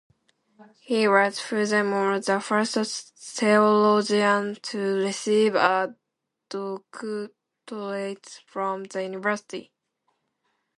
He was, furthermore, the first theologian to receive a doctorate from the university.